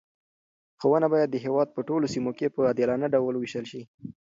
ښوونه باید د هېواد په ټولو سیمو کې په عادلانه ډول وویشل شي.